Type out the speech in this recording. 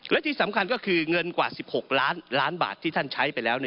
และที่สำคัญก็คือเงินกว่า๑๖ล้านล้านบาทที่ท่านใช้ไปแล้ว